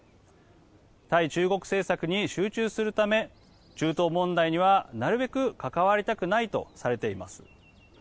対中国政策に集中するため中東問題にはなるべく関わりたくないとされています。